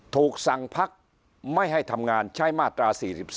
ถูกสั่งพักไม่ให้ทำงานใช้มาตรา๔๒